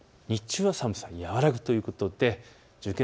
日中は寒さが和らぐということです。